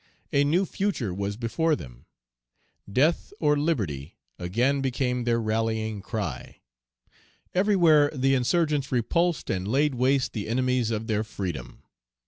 A new future was before them. "Death or liberty!" again became their rallying cry. Everywhere the insurgents repulsed, and laid waste the enemies of their freedom.